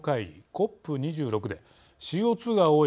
ＣＯＰ２６でＣＯ２が多い